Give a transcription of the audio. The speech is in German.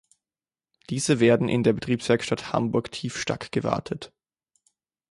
Diese werden in der Betriebswerkstatt Hamburg-Tiefstack gewartet.